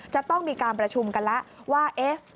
จะต้องมีการประชุมกันแล้วว่า